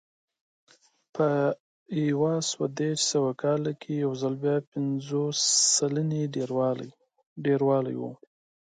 په یو سوه دېرش سوه کال کې یو ځل بیا پنځوس سلنې ډېروالی و